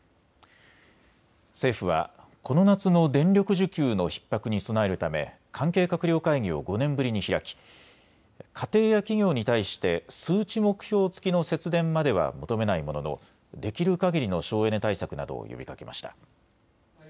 政府はこの夏の電力需給のひっ迫に備えるため関係閣僚会議を５年ぶりに開き家庭や企業に対して数値目標付きの節電までは求めないもののできるかぎりの省エネ対策などを呼びかけました。